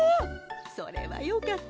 それはよかった。